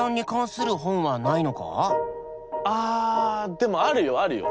でもあるよあるよ。